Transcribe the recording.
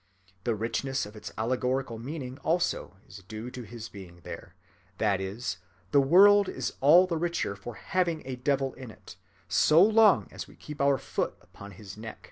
The richness of its allegorical meaning also is due to his being there—that is, the world is all the richer for having a devil in it, so long as we keep our foot upon his neck.